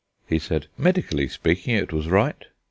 He said: "Medically speaking, it was right."